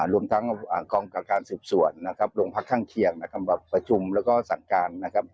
รวมทั้งกองการสืบสวนโรงพักภาคข้างเคียงประจุมและสันการ